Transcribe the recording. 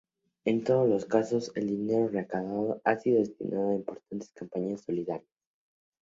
En todos los casos, el dinero recaudado ha sido destinado a importantes campañas solidarias.